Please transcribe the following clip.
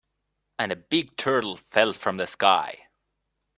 And a big turtle fell from the sky.